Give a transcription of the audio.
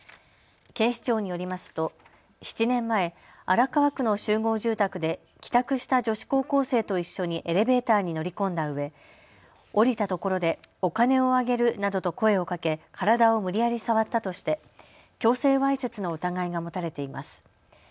警視庁によりますと７年前、荒川区の集合住宅で帰宅した女子高校生と一緒にエレベーターに乗り込んだうえ降りたところでお金をあげるなどと声をかけ、体を無理やり触ったとして強制わいせつの疑いが持たれています。